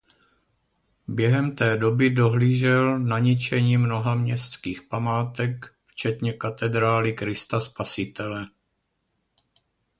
Během té doby dohlížel na ničení mnoha městských památek včetně katedrály Krista Spasitele.